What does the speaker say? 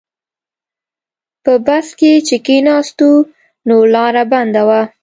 په بس کې چې کیناستو نو لاره بنده وه.